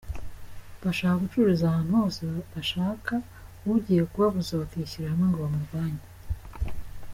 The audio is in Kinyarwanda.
Bashaka gucururiza ahantu hose bashaka ugiye kubabuza bakishyira hamwe ngo bamurwanye.